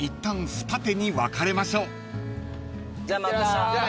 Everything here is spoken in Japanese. じゃあまた。